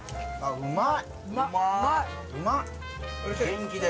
うまい。